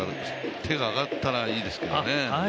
手が上がったらいいですけどね。